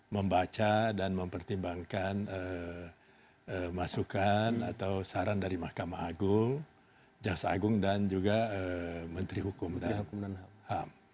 membaca dan mempertimbangkan masukan atau saran dari mahkamah agung jaksa agung dan juga menteri hukum dan ham